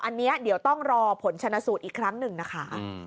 อันนี้เดี๋ยวต้องรอผลชนะสูตรอีกครั้งหนึ่งนะคะ